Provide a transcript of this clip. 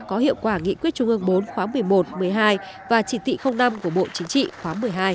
có hiệu quả nghị quyết trung ương bốn khóa một mươi một một mươi hai và chỉ thị năm của bộ chính trị khóa một mươi hai